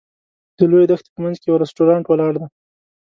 د لویې دښتې په منځ کې یو رسټورانټ ولاړ دی.